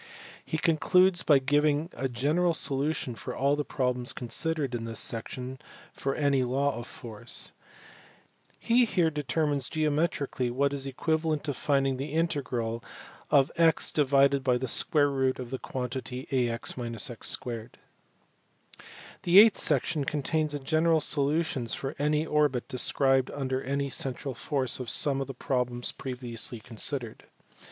He concludes by giving a general solution for all the problems considered in this section for any law of force. He here determines geometrically what is equivalent to finding the integral of x (ax x 2 )?. The eighth section contains general solutions for any orbit described under any central force of some of the problems previously considered.